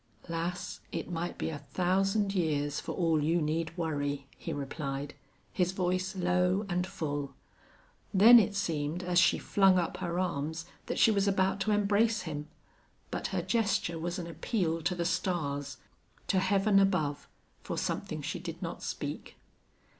"Lass, it might be a thousand years for all you need worry," he replied, his voice low and full. Then it seemed, as she flung up her arms, that she was about to embrace him. But her gesture was an appeal to the stars, to Heaven above, for something she did not speak.